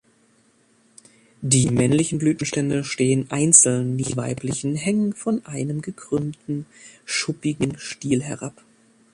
Die männlichen Blütenstände stehen einzeln, die weiblichen hängen von einem gekrümmten, schuppigen Stiel herab.